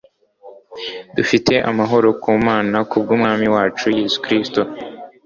dufite amahoro ku Mana, kubw'Umwami wacu Yesu Kristo."